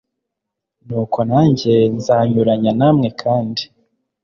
nuko nanjye nzanyuranya namwe kandi